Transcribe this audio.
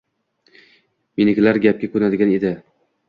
Menikilar gapga ko`nadigan edi